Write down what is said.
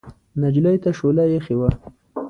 نجلۍ ته شوله اېښې وه.